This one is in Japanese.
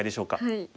はい。